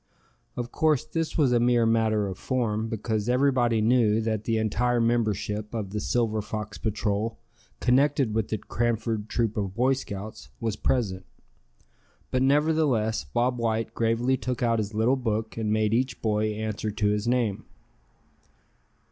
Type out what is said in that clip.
Of course this was a mere matter of form, because everybody knew that the entire membership of the Silver Fox Patrol, connected with the Cranford Troop of Boy Scouts, was present. But nevertheless Bob White gravely took out his little book, and made each boy answer to his name.